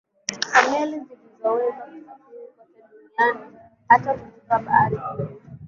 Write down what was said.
za meli zilizoweza kusafiri kote duniani hata kuvuka bahari kubwa